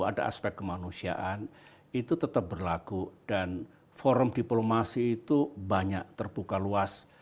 ada aspek kemanusiaan itu tetap berlaku dan forum diplomasi itu banyak terbuka luas